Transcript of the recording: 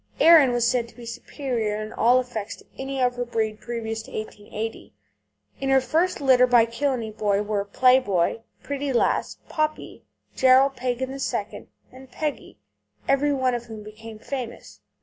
Erin was said to be superior in all respects to any of her breed previous to 1880. In her first litter by Killeney Boy were Play Boy, Pretty Lass, Poppy, Gerald, Pagan II., and Peggy, every one of whom became famous.